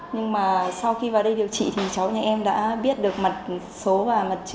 nhưng mà sau khi vào đây điều trị thì cháu nhà em đã biết được mặt số và mặt